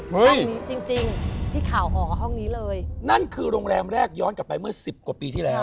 ห้องนี้จริงจริงที่ข่าวออกห้องนี้เลยนั่นคือโรงแรมแรกย้อนกลับไปเมื่อสิบกว่าปีที่แล้ว